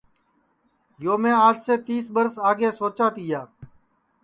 یو میں آج سے تیس برس آگے سوچا تیا